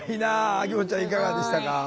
あきもっちゃんいかがでしたか？